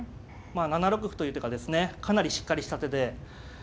まあ７六歩という手がですねかなりしっかりした手で。